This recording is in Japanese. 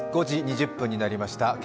５時２０分になりました。